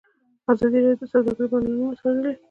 ازادي راډیو د سوداګري بدلونونه څارلي.